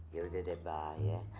yaudah deh ba ya